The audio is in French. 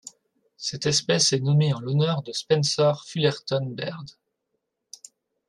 Cette espèce est nommée en l'honneur de Spencer Fullerton Baird.